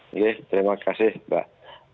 oke terima kasih mbak